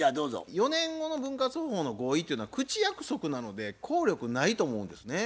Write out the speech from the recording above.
４年後の分割方法の合意っていうのは口約束なので効力ないと思うんですね。